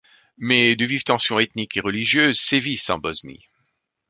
Mais de vives tensions ethniques et religieuses sévissent en Bosnie...